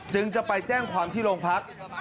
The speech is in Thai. จึงจะไปแจ้งความที่โรงพัก